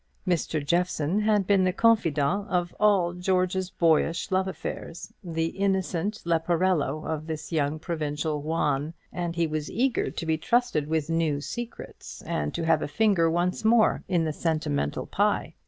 Mr. Jeffson had been the confidant of all George's boyish love affairs, the innocent Leporello of this young provincial Juan; and he was eager to be trusted with new secrets, and to have a finger once more in the sentimental pie.